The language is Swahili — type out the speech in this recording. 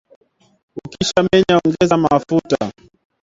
ukisha menye ongeza mafuta